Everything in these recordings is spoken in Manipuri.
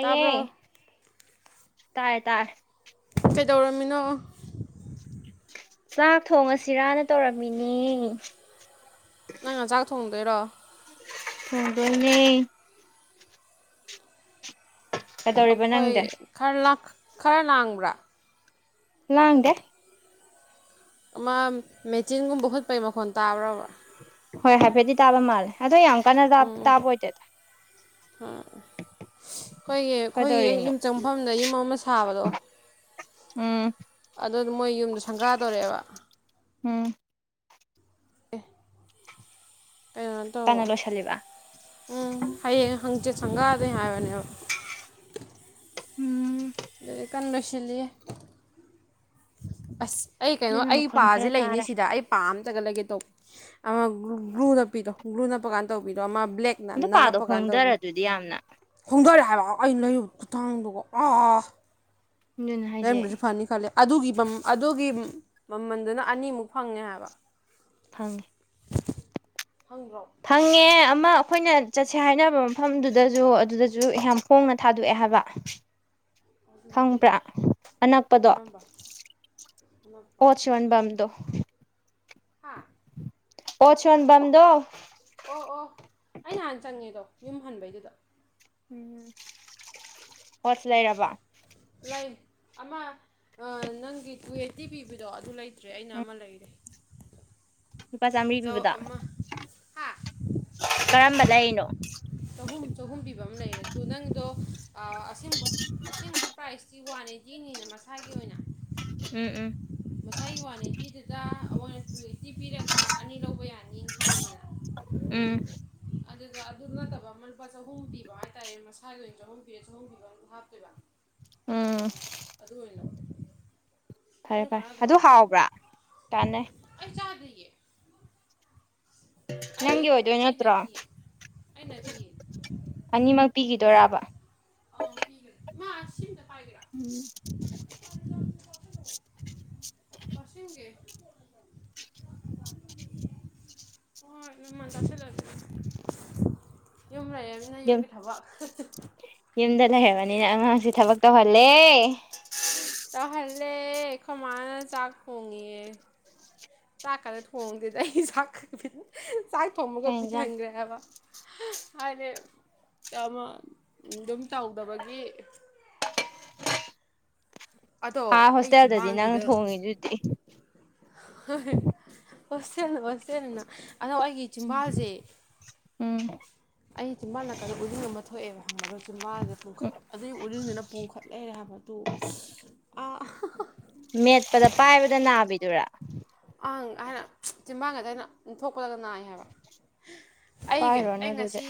ꯇꯥꯕꯔ‌ꯣ ꯇꯥꯏ ꯇꯥꯏ ꯀꯩꯗꯧꯔꯝꯃꯤꯅꯣ ꯆꯥꯛ ꯊꯣꯡꯉꯁꯤꯔꯅ ꯇꯧꯔꯝꯃꯤꯅꯤ ꯅꯪꯅ ꯆꯥꯛ ꯊꯣꯡꯗꯣꯏꯔꯣ ꯍꯗꯅꯦ ꯀꯩꯗꯧꯔꯤꯕ ꯅꯪꯗꯤ ꯑꯩꯈꯣꯏꯔ ꯈꯔ ꯂꯥꯡꯕ꯭ꯔꯥ ꯂꯥꯡꯗꯦ ꯑꯃ ꯃꯦꯆꯤꯟꯒꯨꯝꯕꯨꯠ ꯄꯩ ꯃꯈꯣꯟ ꯇꯥꯕ꯭ꯔꯕ ꯍꯣꯏ ꯍꯥꯏꯐꯦꯠꯇꯗꯤ ꯇꯥꯕ ꯃꯥꯜꯂꯦ ꯑꯗꯣ ꯌꯥꯝ ꯀꯟꯅ ꯇꯥꯕ ꯑꯣꯏꯗꯦꯗ ꯑꯥ ꯑꯩꯈꯣꯏꯒꯤ ꯑꯩꯈꯣꯏꯒꯤꯦꯛ ꯀꯩꯗꯧꯔꯤꯅꯣ ꯌꯨꯝ ꯆꯪꯐꯝꯗ ꯌꯨꯝ ꯑꯃ ꯁꯥꯕꯗꯣ ꯎꯝ ꯑꯗꯨ ꯃꯣꯏ ꯌꯨꯝꯗꯣ ꯁꯪꯒꯥ ꯇꯧꯔꯛꯑꯦꯕ ꯎꯝ ꯑꯥ ꯀꯩꯅꯣ ꯇꯧꯕ ꯀꯟꯅ ꯂꯣꯏꯁꯤꯜꯂꯤꯕ ꯎꯝ ꯍꯌꯦꯡ ꯍꯪꯆ ꯁꯪꯒꯥꯗ ꯍꯥꯏꯕꯅꯦꯕ ꯎꯝ ꯀꯟꯣꯁ ꯂꯦ ꯑꯁ ꯑꯩ ꯀꯩꯅꯣ ꯑꯗꯨꯅ ꯑꯩ ꯃꯈꯣꯟ ꯄꯁꯦ ꯈꯔ ꯂꯩꯅꯤ ꯇꯥꯔꯦ ꯁꯤꯗ ꯑꯩ ꯄꯥꯝ ꯆꯒꯠꯂꯒꯦ ꯇꯧꯕ ꯑꯃ ꯒ꯭ꯂꯨ ꯅꯞꯄꯤꯗꯣ ꯒ꯭ꯂꯨ ꯅꯞꯄ ꯀꯥꯟꯗ ꯇꯧꯕꯤꯗꯣ ꯑꯃ ꯑꯗꯨ ꯕ꯭ꯂꯦꯛꯅꯟꯅ ꯄꯥꯗꯣ ꯅꯞꯄ ꯀꯥꯟꯅ ꯍꯣꯡꯗꯔ ꯇꯧꯕꯅꯤ ꯑꯗꯨꯗꯤ ꯌꯥꯝꯅ ꯈꯣꯡꯗꯔꯦ ꯍꯥꯏꯕ ꯑꯩꯅ ꯂꯩꯔꯨꯕ ꯈꯨꯊꯥꯡꯗꯨꯒꯣ ꯑꯥ ꯑꯗꯨꯅ ꯍꯥꯏꯁꯦ ꯔꯝ꯭ꯔꯁꯨ ꯐꯅꯤ ꯈꯂꯦ ꯑꯗꯨꯒꯤ ꯑꯗꯨꯒꯤ ꯃꯃꯜꯗꯨꯅ ꯑꯅꯤꯃꯨꯛ ꯐꯪꯉꯦ ꯍꯥꯏꯕ ꯐꯪꯉꯤ ꯈꯪꯗ꯭ꯔꯣ ꯐꯪꯉꯦ ꯑꯃꯥ ꯑꯩꯈꯣꯏꯅ ꯆꯠꯁꯦ ꯍꯥꯏꯅꯕ ꯃꯐꯝꯗꯨꯗꯁꯨ ꯑꯗꯨꯗꯁꯨ ꯌꯥꯝ ꯍꯣꯡꯅ ꯊꯥꯗꯣꯛꯑꯦ ꯍꯥꯏꯕ ꯈꯪꯕ꯭ꯔꯥ ꯑꯅꯛꯄꯗꯣ ꯀꯔꯝꯕ ꯑꯅꯛꯄ ꯑꯣ ꯆ ꯋꯥꯟꯕꯝꯗꯣ ꯍꯥ ꯑꯣ ꯆꯣꯟꯕꯝꯗꯣ ꯑꯣ ꯑꯣ ꯑꯩ ꯅꯍꯥꯟ ꯆꯪꯉꯦꯗꯣ ꯌꯨꯝ ꯍꯟꯕꯩꯗꯨꯗ ꯎꯝ ꯍꯣꯁ ꯂꯩꯔꯕ ꯂꯩ ꯑꯃ ꯅꯪꯒꯤ ꯇꯨꯋꯇꯤ ꯄꯤꯕꯗꯣ ꯑꯗꯨ ꯂꯩꯇ꯭ꯔꯦ ꯑꯩꯅ ꯎꯝ ꯑꯃ ꯂꯩꯔꯦ ꯂꯨꯄꯥ ꯆꯥꯃꯔꯤ ꯆꯧ ꯄꯤꯕꯗ ꯑꯃ ꯍꯥ ꯀꯔꯝꯕ ꯂꯩꯔꯤꯅꯣ ꯆꯍꯨꯝ ꯆꯍꯨꯝ ꯄꯤꯕ ꯑꯃ ꯂꯩꯔꯦ ꯑꯗꯨꯗ ꯅꯪꯗꯣ ꯑꯁꯦꯡꯕ ꯑꯁꯦꯡꯕ ꯄ꯭ꯔꯥꯏꯖꯇꯤ ꯋꯥꯅꯤ ꯆꯅꯤꯅ ꯃꯁꯥꯒꯤ ꯑꯣꯏꯅ ꯎꯝ ꯎꯝ ꯉꯁꯥꯏꯒꯤ ꯋꯥꯟ ꯑꯩꯠꯇꯤꯗꯨꯗ ꯑꯩꯅ ꯇꯨ ꯑꯩꯠꯇꯤ ꯄꯤꯔꯒ ꯑꯅꯤ ꯂꯧꯕ ꯌꯥꯅꯤꯅ ꯍꯥꯏꯈꯔ ꯎꯝ ꯑꯗꯨꯗ ꯑꯗꯨ ꯅꯠꯇꯕ ꯑꯃ ꯂꯨꯄꯥ ꯆꯍꯨꯝ ꯄꯤꯕ ꯍꯥꯏꯇꯥꯔꯦ ꯃꯁꯥꯒꯤ ꯑꯣꯏꯅ ꯆꯍꯨꯝ ꯄꯤꯕ ꯆꯍꯨꯝ ꯄꯤꯕ ꯍꯥꯞꯇꯣꯏꯕ ꯎꯝ ꯑꯗ ꯀꯅꯣ ꯐꯔꯦ ꯐꯔꯦ ꯑꯗꯨ ꯍꯥꯎꯕ꯭ꯔꯥ ꯀꯥꯟꯅꯩ ꯑꯩ ꯆꯥꯗ꯭ꯔꯤꯌꯦ ꯑꯩ ꯅꯪꯒꯤ ꯑꯣꯏꯗꯣꯏ ꯑꯩ ꯅꯠꯇ꯭ꯔꯣ ꯅꯠꯇꯤꯌꯦ ꯑꯩ ꯅꯠꯇꯤꯌꯦ ꯑꯅꯤꯃꯛ ꯄꯤꯈꯤꯗꯣꯏꯔꯕ ꯑ ꯃꯥ ꯄꯥꯏꯒꯦꯔꯥ ꯎꯝ [unintelligible] [unintelligible] ꯌꯨꯝ ꯌꯨꯝꯒꯤ ꯊꯕꯛ ꯌꯨꯝꯗ ꯂꯩꯔꯕꯅꯤꯅ ꯑꯉꯥꯡꯁꯦ ꯊꯕꯛ ꯇꯧꯍꯜꯂꯦ [unintelligible] ꯇꯧꯍꯜꯂꯦ ꯑꯩꯈꯣꯏ ꯃꯥ ꯅ ꯆꯥꯛ ꯊꯣꯡꯏꯌꯦ ꯆꯥꯛ ꯈꯔ ꯊꯣꯡꯉꯗꯦꯗ ꯑꯩ ꯆꯥꯛ ꯆꯥꯛ ꯊꯣꯡꯕꯒ ꯀꯩ ꯕꯤꯠ ꯌꯦꯟꯁꯥꯡ ꯍꯟꯈ꯭ꯔꯦ ꯍꯥꯏꯕ ꯍꯥꯏꯗꯤ ꯑꯗꯨꯝ ꯆꯥꯎꯗꯕꯒꯤ ꯍꯥꯥ ꯑꯩ ꯍꯣꯁꯇꯦꯜꯗꯗꯤ ꯅꯪ ꯆꯤꯝꯕꯥꯟꯁꯤꯗ ꯊꯣꯡꯉꯤꯗꯨꯗꯤ ꯍꯣꯁꯇꯦꯜꯅ ꯍꯣꯁꯇꯦꯜꯅ ꯑꯗꯣ ꯑꯩꯒꯤ ꯆꯤꯝꯕꯥꯜꯁꯦ ꯎꯝ ꯑꯩ ꯆꯤꯝꯕꯥꯜ ꯅꯥꯀꯗ ꯎꯔꯤꯡ ꯑꯃ ꯊꯣꯛꯑꯦꯕ ꯉꯝꯃꯔꯣꯏ ꯆꯤꯝꯕꯥꯜꯁꯦ ꯄꯣꯝꯈꯠ ꯎꯝ ꯑꯗꯨꯏ ꯎꯔꯤꯡꯗꯨꯅ ꯄꯨꯡꯈꯠ ꯂꯩꯔꯦ ꯍꯥꯏꯕꯗꯨ ꯑ ꯃꯦꯠꯄꯗ ꯄꯥꯏꯕꯗ ꯅꯥꯕꯤꯗꯨꯔꯥ ꯍꯥꯏꯅ ꯆꯤꯟꯕꯥꯡꯒꯗ ꯑꯩꯅ ꯂꯤꯊꯣꯛꯄꯗ ꯅꯥꯏ ꯍꯥꯏꯕ ꯑꯩꯒꯤ ꯄꯥꯏꯔꯨꯔꯅꯨ ꯑꯩ ꯑꯗꯨꯗꯤ ꯉꯁꯤ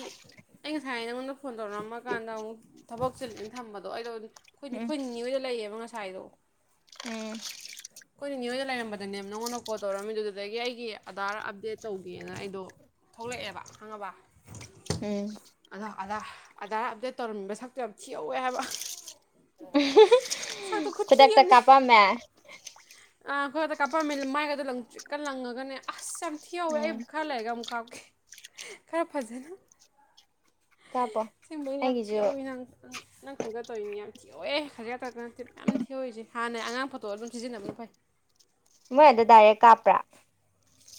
ꯑꯩ ꯉꯁꯥꯏ ꯅꯉꯣꯟꯗ ꯐꯣꯟ ꯇꯧꯔꯛꯝꯃꯀꯥꯟꯗ ꯑꯃꯨꯛ ꯊꯕꯛ ꯆꯤꯜꯂꯦꯅ ꯊꯝꯕꯗꯣ ꯑꯩꯗꯣ ꯍꯧꯖꯤꯛ ꯑꯩꯈꯣꯏ ꯎꯝ ꯈꯣꯏ ꯅꯤꯅꯤ ꯍꯣꯏꯗ ꯂꯩꯌꯦꯕ ꯉꯁꯥꯏꯗꯣ ꯎꯝ ꯂꯩꯔꯝꯕꯗꯅꯦ ꯅꯉꯣꯟꯗ ꯑꯃꯨꯛ ꯀꯣꯜ ꯇꯧꯔꯛꯑꯃꯤꯗꯨ ꯑꯗꯨꯗꯒꯤ ꯑꯩꯒꯤ ꯑꯙꯥꯔ ꯑꯞꯗꯦꯠ ꯇꯧꯗꯦꯅ ꯑꯩꯗꯣ ꯊꯣꯛꯂꯛꯑꯦꯕ ꯈꯪꯉꯕ ꯎꯝ ꯑꯗꯣ ꯑꯙꯥꯔ ꯑꯞꯗꯦꯠ ꯇꯧꯔꯝꯃꯤꯕ ꯁꯛꯇꯣ ꯌꯥꯝ ꯊꯤꯍꯧꯋꯦ ꯍꯥꯏꯕ ꯁꯛꯇꯣ ꯈꯨꯊꯤ ꯈꯨꯗꯛꯇ ꯀꯥꯞꯄꯝꯃꯦ ꯑ ꯈꯨꯗꯛꯇ ꯀꯥꯞꯂꯝꯃꯦ ꯃꯥꯏꯒꯗꯣ ꯂꯪ ꯇ꯭ꯔꯤꯛ ꯀ ꯂꯪꯉꯒꯅꯦ ꯑꯁ ꯌꯥꯝ ꯊꯤꯍꯧꯋꯦ ꯑꯩ ꯎꯝ ꯈꯔ ꯂꯩꯔꯒ ꯑꯃꯨꯛ ꯀꯥꯞꯀꯦ ꯈꯔ ꯐꯖꯅ ꯀꯥꯞꯄꯣ ꯑꯁꯦꯡꯕꯩ ꯌꯥꯝ ꯑꯩꯒꯤꯁꯨ ꯊꯤꯛꯍꯧꯋꯤ ꯅꯪ ꯅꯪ ꯈꯪꯗ ꯇꯧꯔꯤꯅꯤ ꯌꯥꯝ ꯊꯤꯛꯍꯧ ꯂꯣꯏꯔꯦ ꯈꯖꯤꯛꯈꯛꯇ ꯅꯠꯇꯦ ꯌꯥꯝ ꯊꯤꯍꯧꯔꯤꯁꯤ ꯍꯥꯟꯅꯩ ꯑꯉꯥꯡ ꯑꯣꯏꯕꯩ ꯇꯣ ꯑꯗꯨꯝꯁꯤꯖꯤꯟꯅꯕꯅ ꯐꯩ ꯃꯣꯏ ꯑꯗ ꯗꯥꯏꯔꯦꯛ ꯀꯥꯞꯄ꯭ꯔꯥ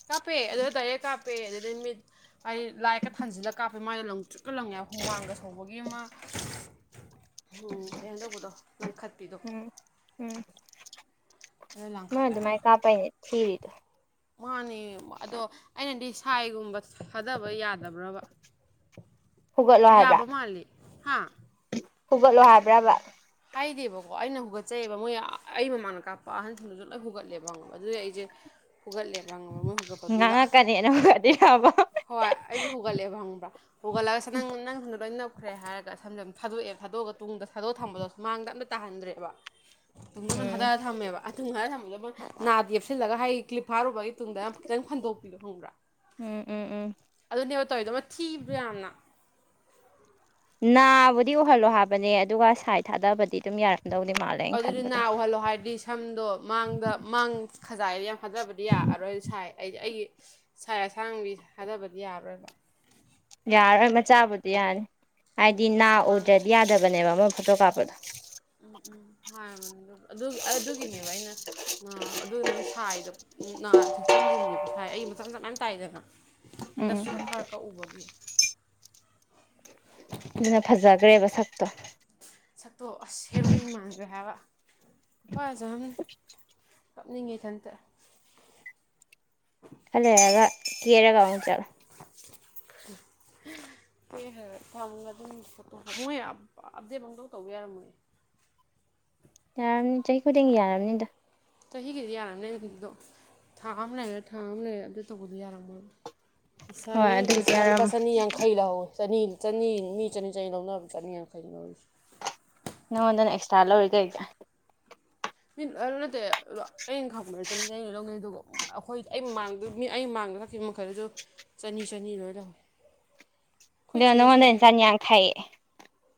ꯀꯥꯞꯄꯦ ꯑꯗꯨꯗ ꯗꯥꯏꯔꯦꯛ ꯀꯥꯄꯦ ꯑꯗꯨꯗ ꯃꯤꯠ ꯑꯩ ꯂꯥꯏꯛꯀ ꯊꯥꯟꯖꯤꯜꯂꯒ ꯀꯥꯞꯄꯒꯤ ꯃꯥꯏꯅ ꯂꯪ ꯆꯨꯠꯀ ꯂꯪꯉꯦ ꯍꯨꯃꯥꯡꯒ ꯁꯧꯕꯒꯤ ꯑꯃ ꯎꯝ ꯀꯩꯅꯣ ꯇꯧꯕꯗꯣ ꯂꯪꯈꯠꯄꯤꯗꯣ ꯎꯝ ꯎꯝ ꯑꯗꯨ ꯃꯣꯏ ꯂꯪꯈꯠꯂꯦ ꯍꯥꯏꯕ ꯑꯗꯨꯃꯥꯏꯅ ꯀꯥꯞꯄꯩꯅꯦ ꯊꯤꯔꯤꯗꯣ ꯃꯥꯅꯦ ꯑꯗꯣ ꯑꯩꯅꯗꯤ ꯁꯥꯏꯒꯨꯝꯕ ꯊꯥꯗꯕ ꯌꯥꯗꯕ꯭ꯔꯕ ꯍꯧꯒꯠꯂꯣ ꯌꯥꯕ ꯃꯥꯂꯦ ꯍꯥꯥ ꯍꯨꯒꯠꯂꯣ ꯍꯥꯏꯕ꯭ꯔꯕ ꯍꯥꯏꯗꯦꯕꯀꯣ ꯑꯩꯅ ꯍꯨꯒꯠꯆꯩꯑꯕ ꯃꯣꯏ ꯑꯩ ꯃꯃꯥꯡꯗ ꯀꯥꯞꯄ ꯑꯍꯟꯁꯤꯡꯅꯁꯨ ꯂꯣꯏ ꯍꯨꯒꯠꯂꯦꯕ ꯑꯗꯨꯗꯤ ꯑꯩꯁꯦ ꯍꯨꯒꯠꯂꯦꯕ ꯉ ꯍꯨꯒꯠꯄꯗꯨꯗ ꯉꯥꯡꯉꯛꯀꯅꯦꯅ ꯍꯧꯒꯠꯂꯤꯔꯕ ꯍꯣꯏ ꯑꯩꯁꯨ ꯍꯧꯒꯠꯂꯛꯦꯕ ꯍꯪꯕ꯭ꯔꯥ ꯍꯧꯒꯠꯂꯒꯁꯨ ꯅꯪ ꯊꯣꯛꯈ꯭ꯔꯦ ꯍꯥꯏꯔꯒ ꯁꯝ ꯁꯝ ꯊꯥꯗꯣꯛꯑꯦ ꯊꯥꯗꯣꯛꯑꯒ ꯇꯨꯡꯗ ꯊꯥꯗꯣꯛ ꯊꯝꯕꯗꯣ ꯁꯨ ꯃꯥꯡꯗ ꯑꯝꯇ ꯇꯥꯍꯟꯗ꯭ꯔꯦꯕ ꯇꯨꯡꯗꯨꯗ ꯎꯝ ꯊꯥꯗꯔ ꯊꯝꯃꯦꯕ ꯑꯊꯪ ꯍꯊꯔ ꯊꯝꯕꯗꯣꯏ ꯅꯥꯗ ꯌꯦꯞꯁꯤꯜꯂꯒ ꯑꯩ ꯀ ꯐꯥꯔꯨꯕꯒꯤ ꯇꯨꯡꯗ ꯈꯤꯇꯪ ꯐꯟꯗꯣꯛꯄꯤꯌꯣ ꯈꯪꯕ꯭ꯔꯥ ꯎꯝ ꯎꯝ ꯎꯝ ꯑꯗꯨꯅꯦꯕ ꯇꯧꯋꯤꯗꯣ ꯑꯃ ꯊꯤꯕ꯭ꯔꯣ ꯌꯥꯝꯅ ꯅꯥꯕꯨꯗꯤ ꯎꯍꯜꯂꯣ ꯍꯥꯏꯕꯅꯦ ꯑꯗꯨꯒ ꯁꯥꯏꯠ ꯊꯥꯗꯕꯗꯤ ꯑꯗꯨꯝ ꯌꯥꯔꯛ ꯑꯗꯨꯗꯤ ꯅꯥ ꯎꯍꯜꯂꯣ ꯍꯥꯏꯔꯗꯤ ꯁꯝꯗꯣ ꯃꯥꯡꯗ ꯃꯥꯡ ꯈꯖꯥꯏꯗꯤ ꯌꯥꯝ ꯐꯖꯕꯗꯤ ꯌꯥꯔꯔꯣꯏ ꯁꯥꯏ ꯑꯩ ꯑꯩꯒꯤ ꯁꯥ ꯑꯁꯥꯡꯕꯤ ꯊꯥꯗꯕꯗꯤ ꯌꯥꯔꯣꯏꯕ ꯌꯥꯔꯣꯏ ꯃꯆꯥꯕꯨꯗꯤ ꯌꯥꯅꯤ ꯍꯥꯏꯗꯤ ꯃꯆꯥ ꯅꯥ ꯃꯥꯡ ꯎꯗ꯭ꯔꯗꯤ ꯌꯥꯗꯕꯅꯦꯕ ꯑꯃ ꯐꯣꯇꯣ ꯀꯥꯞꯄꯗꯣ ꯎꯝ ꯎꯝ ꯍꯥꯏꯅꯤ ꯑꯗꯨꯒꯤꯅꯦꯕ ꯑꯩꯅ ꯑꯗꯨ ꯅꯣꯏ ꯁꯥꯏꯗ ꯉꯥ ꯊꯦꯛꯆꯤꯟꯈꯤꯕꯅꯦꯕ ꯁꯥꯏ ꯑꯩ ꯃꯇꯝ ꯆ ꯃꯅ ꯇꯥꯏꯗꯅ ꯎꯝ ꯍꯟꯗꯁꯨ ꯍꯥꯛ ꯈꯥꯔ ꯈꯥ ꯎꯕꯒꯤ ꯑꯗꯨꯅ ꯐꯖꯈ꯭ꯔꯦꯕ ꯁꯛꯄ ꯁꯛꯇꯣꯛ ꯑꯁ ꯍꯦꯔꯣꯏꯟ ꯃꯥꯟꯈ꯭ꯔꯦ ꯍꯥꯏꯕ ꯐꯖꯝ ꯍꯥꯞꯅꯤꯡꯉꯤ ꯊꯇ ꯍꯜꯂꯣ ꯌꯥꯒ ꯀꯦꯔꯒꯥꯎ ꯆꯣ [unintelligible] ꯀꯦꯔꯦꯒꯥ ꯑꯗꯨꯝ ꯃꯣꯏ ꯑꯞꯗꯦꯗꯃꯨꯗꯧ ꯇꯧꯕ ꯌꯥꯔ ꯃꯣꯏ [unintelligible] ꯌꯥꯔꯕꯝꯅꯤ ꯆꯍꯤ ꯈꯨꯗꯤꯡꯒꯤ ꯌꯥꯔꯕꯅꯤꯗ ꯆꯍꯤꯒꯤꯗꯤ ꯌꯥꯔꯝꯃꯦ ꯍꯧꯖꯤꯗꯣ ꯊꯥ ꯑꯃ ꯂꯩꯔꯦ ꯊꯥ ꯑꯃ ꯂꯩꯔꯦ ꯑꯝꯗ ꯇꯧꯕꯗꯣ ꯌꯥꯔꯝꯃꯦꯕ ꯍꯣꯏ ꯄꯁꯥꯅꯤ ꯑꯗꯨꯕꯨꯗꯤ ꯄꯤꯁꯥ ꯌꯥꯔꯝꯃꯣꯏ ꯄꯁꯅꯤ ꯌꯥ ꯈꯩ ꯂꯣ ꯆꯅꯤ ꯆꯅꯤ ꯃꯤ ꯆꯅꯤ ꯆꯅꯤ ꯂꯧꯅꯕ ꯆꯅꯤ ꯌꯥꯈꯩ ꯂꯧꯔꯤꯁꯦ ꯅꯪꯉꯣꯟꯗꯅ ꯑꯦꯛꯁꯇ꯭ꯔꯥ ꯂꯧꯔꯤ ꯀꯩꯁ ꯃꯤ ꯅꯠꯇꯦ ꯑꯗꯣ ꯑꯩꯅ ꯈꯪꯕ ꯆꯠꯅꯤꯡꯁ ꯑꯩꯅ ꯂꯧꯅꯤꯩ ꯑꯗꯨꯒ ꯑꯩꯈꯣꯏꯗꯤ ꯑꯩ ꯑꯩꯥꯡꯦ ꯃꯈꯜꯁꯨ ꯆꯅꯤ ꯆꯅꯤ ꯂꯣꯏ ꯂꯧ ꯑꯗꯣ ꯅꯉꯣꯟꯗ ꯏꯟꯁꯥꯡꯅꯤ ꯌꯥꯡꯈꯥꯏꯌꯦ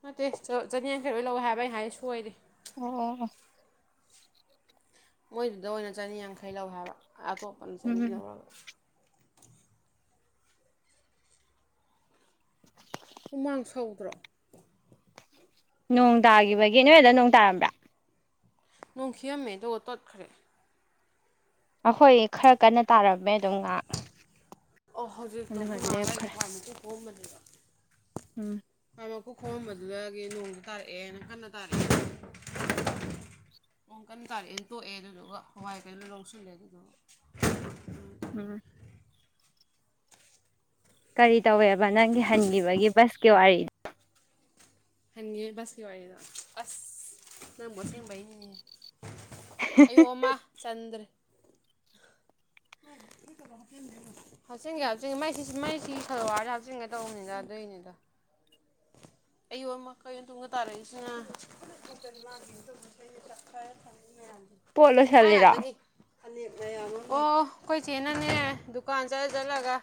ꯅꯠꯇꯦ ꯆꯅꯤꯌꯥꯡꯈꯩ ꯂꯣꯏ ꯂꯧꯑꯣ ꯍꯥꯏꯕ ꯑꯩ ꯍꯥꯏ ꯁꯣꯏꯔꯦ ꯑꯣ ꯃꯣꯏꯗꯨꯗ ꯑꯣꯏꯅ ꯆꯅꯤꯌꯥꯡꯈꯩ ꯂꯧ ꯍꯥꯏꯕ ꯑꯇꯣꯞꯄꯅ ꯆꯅꯤ ꯎꯝ ꯂꯧꯔꯒ ꯎꯨꯃꯥꯡ ꯁꯧꯗ꯭ꯔꯣ ꯅꯣꯡ ꯇꯥꯈꯤꯕꯒꯤ ꯑꯦꯅꯤꯋꯔꯗ ꯅꯣꯡ ꯇꯥꯔꯝꯕ꯭ꯔꯥ ꯅꯣꯡꯈꯤꯑꯝꯃꯦ ꯑꯗꯨꯒ ꯇꯣꯠꯈ꯭ꯔꯦ ꯑꯩꯈꯣꯏ ꯈꯔ ꯀꯟꯅ ꯇꯥꯔꯝꯃꯦ ꯑꯗꯨꯝ ꯉꯥꯏꯍꯥꯛ ꯑꯣ ꯍꯧꯖꯤꯛꯇꯣ ꯑꯗꯨꯒ ꯍꯃꯥꯡꯉꯥꯏꯒꯤ ꯂꯦꯞꯈ꯭ꯔꯦ ꯐꯃꯤꯁ ꯍꯣꯡꯝꯕꯅꯦꯕ ꯎꯝ ꯈꯣꯝꯕꯗꯨꯗꯒꯤ ꯅꯣꯡꯁꯨ ꯇꯥꯔꯛꯑꯦꯅ ꯀꯟꯅ ꯇꯥꯔꯛꯑꯦ ꯀꯟ ꯇꯥꯔꯛꯑꯦꯅ ꯇꯣꯛꯑꯦ ꯑꯗꯨꯗꯨꯒ ꯍꯋꯥꯏ ꯀꯩꯅꯣ ꯂꯧꯁꯤꯜꯂꯦ ꯑꯗꯨꯗꯨ ꯎꯝ ꯀꯔꯤ ꯇꯧꯋꯦꯕ ꯅꯪꯒꯤ ꯍꯟꯈꯤꯕꯒꯤ ꯕꯁꯀꯤ ꯋꯥꯔꯤ ꯍꯥꯏꯅꯤ ꯋꯥꯔꯤꯗ ꯑꯁ ꯅꯪꯒꯣꯁꯦꯡꯕꯅꯤ ꯑꯩꯌꯨ ꯑꯃ ꯆꯟꯗ꯭ꯔꯦ ꯍꯥꯛꯆꯤꯟꯒ ꯍꯥꯞꯆꯤꯟꯦ ꯃꯩ ꯁꯤ ꯃꯩꯁꯤ ꯈꯂꯋꯥꯔꯁꯤ ꯍꯥꯞꯆꯤꯟꯒꯦ ꯇꯧꯕꯅꯤꯗ ꯑꯗꯨꯏꯅꯤꯗ [unintelligible] ꯑꯩꯌꯣꯟꯕ ꯀꯩ ꯇꯨꯡꯕ ꯇꯥꯔꯛꯏꯁꯤꯅ ꯃꯥꯏ ꯄꯣꯂꯣꯁꯂꯔꯥ ꯉꯥꯛꯇꯅꯤ ꯑꯣ ꯑꯩꯈꯣꯏ ꯆꯦꯅꯅꯦ ꯗꯨꯀꯥꯟ ꯆꯠꯂ ꯆꯠꯂꯒ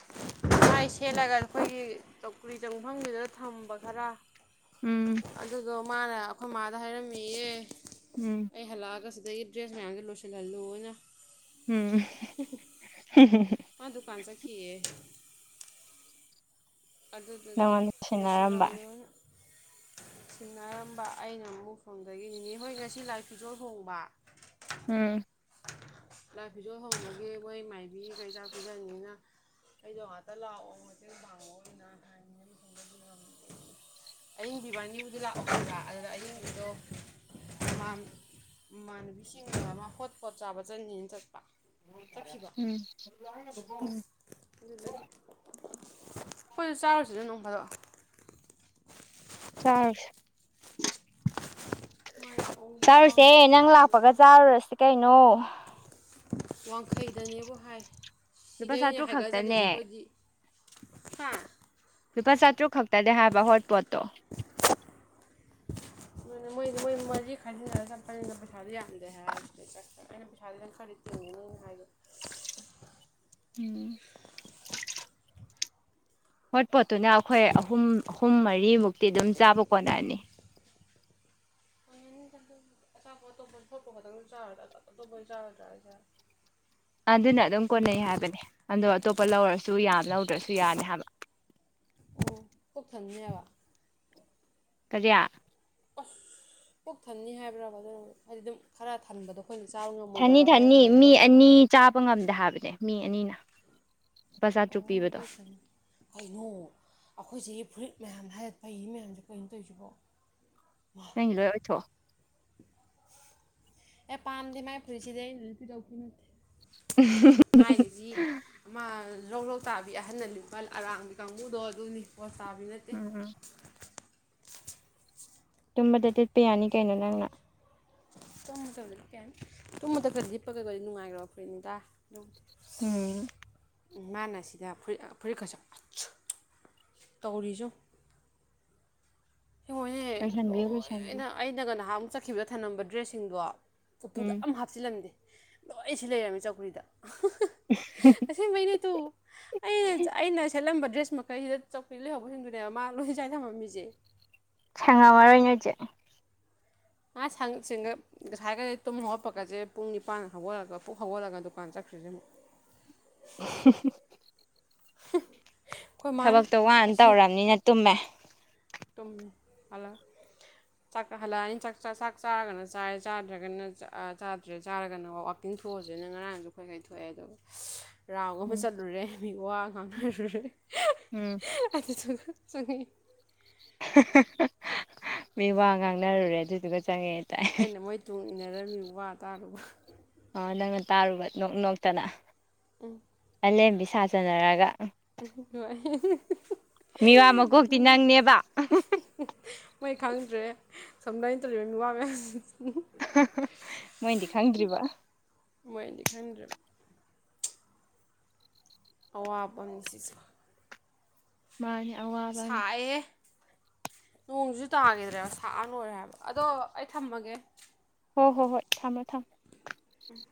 ꯁꯦꯠꯂꯒ ꯑꯩꯈꯣꯏꯒꯤ ꯆꯧꯀꯔꯤꯗ ꯆꯪꯐꯝꯗꯨꯗ ꯊꯝꯕ ꯈꯔ ꯎꯝ ꯑꯗꯨꯗꯣ ꯃꯥꯅ ꯑꯩꯈꯣꯏ ꯃꯥꯗ ꯍꯥꯏꯔꯝꯃꯤꯌꯦ ꯎꯝ ꯑꯩ ꯍꯜꯂꯛꯑꯒ ꯁꯤ ꯑꯗꯒꯤ ꯗ꯭ꯔꯦꯁ ꯃꯌꯥꯝꯁꯣ ꯂꯣꯏꯁꯤꯜꯍꯜꯂꯨꯅ ꯎꯝ ꯀꯥ ꯗꯨꯀꯥꯟ ꯆꯠꯈꯤꯑꯦ ꯑꯗꯨꯗꯨꯗꯤ ꯅꯪꯉꯣꯟꯗ ꯂꯣꯏꯁꯤꯟꯅꯔꯝꯕ ꯂꯣꯏꯁꯂꯨ ꯁꯤꯟꯅꯔꯝꯕ ꯑꯩꯅ ꯃꯨꯛꯐꯝꯗꯒꯤꯅꯤꯅꯦ ꯍꯣꯏ ꯉꯁꯤ ꯂꯥꯏ ꯐꯤꯖꯣꯜ ꯍꯣꯡꯕ ꯎꯝ ꯂꯥꯏ ꯐꯤꯖꯣꯜ ꯍꯣꯡꯕꯒꯤ ꯃꯣꯏ ꯃꯥꯏꯕꯤ ꯀꯩ ꯆꯥꯛ ꯄꯨꯖꯅꯤꯡꯉꯤꯅ ꯑꯩꯗꯣ ꯉꯥꯛꯇ ꯂꯥꯛꯑꯣ ꯃꯇꯦꯡ ꯄꯥꯡꯉꯑꯣ [inaudible] ꯑꯌꯤꯡꯕꯤ ꯕꯥꯅꯤꯕꯨꯗꯤ ꯂꯥꯛꯑꯣ ꯍꯥꯏꯕ꯫ [unintelligible] ꯃꯃꯥꯟ ꯃꯃꯥꯅꯕꯤꯁꯤꯡ ꯑꯃ ꯍꯣꯠ ꯄꯣꯠ ꯆꯥꯕ ꯆꯠꯅꯤꯅ ꯆꯠꯄ꯫ ꯆꯠꯈꯤꯕ ꯎꯝ ꯎꯝ ꯑꯗꯨꯗꯒꯤ ꯈꫭꯏꯁꯨ ꯆꯥꯔꯨꯁꯤꯅ ꯅꯣꯡ ꯐꯥꯗꯣꯛ꯫ ꯆꯥꯔꯨꯁꯤ꯫ ꯃꯣꯏꯅ ꯆꯥꯔꯨꯁꯦ ꯅꯪ ꯂꯥꯛꯄꯒ ꯆꯥꯔꯨꯔꯁꯤ ꯀꯩꯅꯣ꯫ ꯋꯥꯡꯈꯩꯗꯅꯦꯕꯨ ꯍꯥꯏ ꯂꯨꯄꯥ ꯁꯤꯗꯩꯅꯦ ꯆꯥꯇ꯭ꯔꯨꯛ ꯍꯥꯏꯒꯠꯆꯠꯂꯤꯁꯦ ꯈꯛꯇꯅꯦ ꯑꯩꯈꯣꯏꯗꯤ꯫ ꯁꯍꯥ ꯂꯨꯄꯥ ꯆꯥꯇ꯭ꯔꯨꯛ ꯈꯛꯇꯅꯦ ꯍꯥꯏꯕ ꯍꯣꯠꯄꯣꯠꯇꯣ꯫ ꯃꯣꯏꯅ ꯃꯣꯏ ꯃꫭꯏ ꯃꯔꯤ ꯈꯥꯏꯖꯤꯟꯅꯔꯒ ꯆꯠꯄꯅꯤꯅ ꯄꯩꯁꯥꯗꯤ ꯌꯥꯝꯗꯦ ꯍꯥꯏꯩꯅ ꯑꯎꯅ ꯄꯩꯁꯥꯗꯨꯅ ꯈꯔꯗꯤ ꯇꯤꯡꯒꯅꯤꯅ ꯍꯥꯏꯕ꯫ ꯎꯝ ꯍꯣꯠꯄꯣꯠꯇꯨꯅ ꯑꯩꯈꯣꯏ ꯑꯍꯨꯝ ꯑꯍꯨꯝ ꯃꯔꯤꯃꯨꯛꯇꯤ ꯑꯗꯨꯝ ꯆꯥꯕ ꯀꯣꯅꯅꯤ꯫ [inaudible] ꯑꯆꯥꯄꫭꯠꯇꫭ ꯍꫭꯠꯄꫭꯠꯇꫭ ꯈꯇꯪ ꯆꯥꯒꯗ꯭ꯔ ꯑꯇꫭꯞꯄꯁꯨ ꯆꯥꯔꫭꯏꯗꯔ ꯍꯥꯏꯁꯦ꯫ ꯑꯗꯨꯅ ꯑꯗꯨꯝ ꯀꯣꯟꯅꯩ ꯍꯥꯏꯕꯅꯤ ꯑꯗꯣ ꯑꯇꯣꯞꯄ ꯂꯧꯔꯁꯨ ꯌꯥꯝ ꯂꯧꯗ꯭ꯔꯁꯨ ꯌꯥꯅꯤ ꯍꯥꯏꯕ꯫ ꯑꯣ ꯄꯨꯛ ꯊꯟꯅꯤ ꯍꯥꯏꯕ꯫ ꯀꯔꯤꯌꯥ꯫ ꯑꯁ ꯄꯨꯛ ꯊꯟꯅꯤ ꯍꯥꯏꯕ꯭ꯔꯕ ꯑꯗꯨꯅ ꯍꯥꯏꯗꯤ ꯑꯗꯨꯝ ꯈꯔ ꯊꯟꯕꯗꯣ꯫ ꯑꯩꯈꯣꯏꯅ ꯆꯥꯕ ꯉꯝꯃꯣꯏꯗꯕ ꯈꯔ ꯊꯟꯅꯤ-ꯊꯟꯅꯤ ꯀꯩꯅꯣ ꯃꯤ ꯇꯧꯕꯗꯣ ꯑꯅꯤ ꯆꯥꯕ ꯉꯝꯗꯦ ꯍꯥꯏꯕꯅꯦ ꯃꯤ ꯑꯅꯤꯅ꯫ ꯂꯨꯄꯥ ꯆꯥꯇ꯭ꯔꯨꯛ ꯑꯣ ꯄꯤꯕꯗꯣ [inaudible] ꯀꯩꯅꯣ ꯑꯩꯈꯣꯏ ꯆꯦꯒꯤ ꯐꯨꯔꯤꯠ ꯃꯌꯥꯝꯅ ꯍꯥꯏꯔꯠ ꯄꯩ ꯃꯌꯥꯝꯁꯦ ꯀꯩꯅꫭ ꯇꯧꯔꯤꯁꯤꯕꯣ꯫ ꯅꯪꯒꯤ ꯂꯣꯏ ꯑꯣꯏꯊꯣꯛꯑꯣ꯫ ꯑꯦ ꯄꯥꯥꯝꯗꯦ ꯃꯥꯏ ꯐꯨꯔꯤꯠꯁꯤꯗꯤ ꯑꯩꯅ ꯂꯤꯠꯄꯤꯗꯧꯁꯨ ꯅꯠꯇꯦ꯫ ꯉꯥꯏꯔꯤꯁꯤ ꯑꯃ ꯂꯧ-ꯂꯧ ꯇꯥꯕꯤ ꯑꯍꯟꯅ ꯂꯤꯠꯄ ꯑꯔꯥꯡꯕꯤ ꯀꯥꯡꯕꯨꯗꯣ ꯑꯗꯨꯅꯤ ꯄꯣꯁꯠ ꯇꯥꯕꯤ ꯅꯠꯇꯦ꯫ ꯎꯝ ꯎꯝ ꯇꯨꯝꯕꯗ ꯇꯤꯠꯄ ꯌꯥꯅꯤ ꯀꯩꯅꯣ ꯅꯪꯅ꯫ [inaudible] ꯇꯨꯝꯕꯗꯀ ꯂꯤꯠꯄꯒꯒ ꯑꫭꯏꯔꯗꯤ ꯅꯨꯡꯉꯥꯏꯈ꯭ꯔꯕ ꯐꯨꯔꯤꯠꯅꯤꯗꯥ ꯑꯗꯨꯝ꯫ ꯎꯝ ꯃꯥꯅ ꯁꯤꯗ ꯐꯨꯔꯤ ꯐꯨꯔꯤꯠ ꯈꯁꯪꯠ ꯇꯧꯔꯤꯖꯦꯌꯧ꯫ ꯍꯈꯣꯏꯅꯦ ꯂꯣꯏꯁꯟꯕꯤꯌꯨ ꯂꯣꯏꯁꯟꯕꯤꯌꯨ ꯂꯣꯏꯅ ꯑꯩꯅꯒ ꯅꯍꯥꯟ ꯆꯠꯈꯤꯕꯗ ꯊꯅꯝꯕ ꯗ꯭ꯔꯦꯁꯁꯤꯡꯗꯣ ꯎꯄꯨꯗ ꯎꯝ ꯑꯃ ꯍꯥꯞꯆꯤꯜꯂꯝꯗꯦ ꯂꯣꯏ ꯁꯤ ꯂꯩꯔꯝꯃꯤ ꯆꯧꯀ꯭ꯔꯤꯗ꯫ ꯑꯁꯦꯡꯕꯩꯩꯅꯦ ꯇꯨ ꯑꯩꯅ ꯑꯩꯅ ꯁꯦꯠꯂꯝꯕ ꯗ꯭ꯔꯦꯁ ꯃꯈꯩꯁꯤꯗ ꯆꯧꯀ꯭ꯔꯤꯗ ꯂꯩꯍꯧꯕꯁꯤꯡꯗꯨꯅꯦꯕ ꯃꯥ ꯂꯣꯏꯅ ꯆꯥꯏ ꯊꯝꯃꯝꯃꯤꯁꯦ꯫ ꯁꯦꯡꯑꯝꯑꯔꫭꯏ ꯅꫭꯏ ꯆꯦ꯫ [unintelligible] ꯉꯁꯥꯏꯒ ꯇꯨꯝ ꯍꯧꯒꯠꯄꯒꯁꯦ ꯄꯨꯡ ꯅꯤꯄꯥꯟ ꯍꯧꯒꯠꯂꯒ ꯄꯨꯛ ꯍꯧꯒꯠꯂꯒ ꯗꯨꯀꯥꯟ ꯆꯠ [unintelligible] [unintelligible] ꯑꯩꯈꯣꯏ ꯃꯥꯅ ꯊꯕꯛꯇꯣ ꯋꯥꯅ ꯉꯁꯤ ꯇꯧꯔꯕꯅꯤꯅ ꯇꯨꯝꯃꯦ꯫ ꯇꯨꯝꯃꯦ ꯍꯂꯛꯑ꯫ ꯆꯥꯥꯛꯀ ꯍꯜꯂꯛꯑꯅꯤ ꯆꯥꯛ ꯆꯥꯔꯒꯅ ꯆꯥꯔꯦ ꯆꯥꯗ꯭ꯔꯒꯅ ꯆꯥꯗ꯭ꯔꯦ ꯆꯥꯔꯒꯅ ꯋꯥꯥꯛꯀꯤꯡ ꯆꯊꯣꯛꯑꯁꯤꯅ ꯉꯔꯥꯡꯁꯨ ꯈꯣꯏ ꯊꯣꯛꯑꯦ ꯑꯗꯨꯝ ꯔꯥꯎ ꯑꯃ ꯎꯝ ꯆꯠꯂꯨꯔꯦ ꯃꯤ ꯋꯥ ꯉꯥꯡꯅꯔꯨꯔꯦ꯫ ꯎꯝ ꯆꯪꯏ ꯃꯤ ꯋꯥ ꯉꯥꯡꯅꯔꯨꯔꯦ ꯑꯗꯨꯏꯗꯨꯒ ꯆꯪꯉꯛꯑꯦ꯫ ꯇꯥꯏ ꯑꯩꯅ ꯃꯣꯏ ꯇꯨꯡ ꯏꯟꯅꯔꯝꯃꯤ ꯋꯥ ꯇꯥꯔꯨꯕ꯫ ꯑꫭ ꯅꯪꯅ ꯇꯥꯔꯨꯕ ꯅꯣꯛ ꯅꯣꯛꯇꯅ꯫ ꯎꯝ ꯃꯥꯂꯦꯝꯕꯤ ꯁꯥꯖꯅꯔꯒ꯫ [unintelligible] ꯃꯤꯋꯥ ꯃꯀꯣꯛꯇꯤ ꯅꯪꯅꯦꯕ ꯇꯧꯅꯣ ꯃꯤꯋꯥ ꯉꯥꯡꯅꯁꯦ ꯑꯍꯍ ꯃꯣꯏꯗꯤ ꯈꯪꯗ꯭ꯔꯤꯕ ꯃꯣꯏꯗꯤ ꯈꯪꯗ꯭ꯔꯤꯕ ꯑꯋꯥꯕꯅꯦꯁꯤꯁꯨ ꯃꯥ ꯌꯥ ꯁꯥꯏꯑꯦ ꯅꯣꯡꯖꯁꯨ ꯇꯥꯈꯤꯗ꯭ꯔꯦꯕ ꯁꯥꯖꯅ ꯂꯣꯏꯔꯦ ꯍꯥꯏꯕ ꯑꯗꯣ ꯑꯩ ꯊꯝꯃꯒꯦ ꯍꯣꯏ ꯍꯣ ꯍꯣꯏ ꯊꯝꯃꯣ ꯊꯝꯃꯣ ꯎꯝ